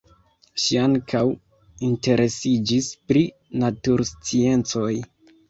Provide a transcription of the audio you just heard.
Ŝi ankaŭ interesiĝis pri natursciencoj.